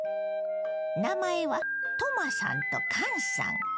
名前はトマさんとカンさん。